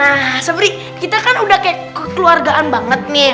nah sebri kita kan udah kayak kekeluargaan banget nih